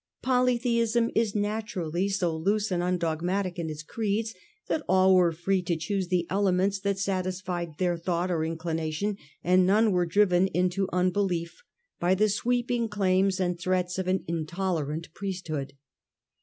Polytheism is naturally so loose and undogmatic in its creeds that all were free to choose the elements that satisfied their thought or inclination, and none were driven into un belief by the sweeping claims and threats of an intolerant priesthood.